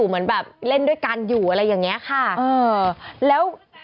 มึงทำอย่างงี้สิมันไม่ดีของเราเสีย